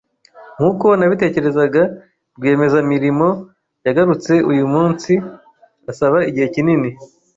Nkuko nabitekerezaga, rwiyemezamirimo yagarutse uyumunsi, asaba igihe kinini.